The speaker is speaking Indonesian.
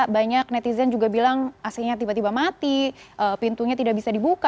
banyak netizen juga bilang ac nya tiba tiba mati pintunya tidak bisa dibuka